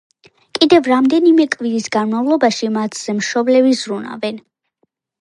კიდევ რამდენიმე კვირის განმავლობაში მათზე მშობლები ზრუნავენ.